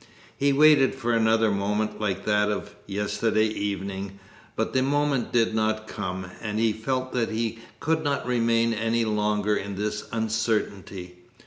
He waited for another moment like that of yesterday evening, but the moment did not come, and he felt that he could not remain any longer in this uncertainty.